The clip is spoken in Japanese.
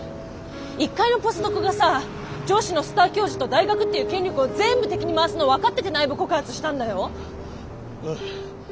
一介のポスドクがさ上司のスター教授と大学っていう権力をぜんぶ敵に回すの分かってて内部告発したんだよ。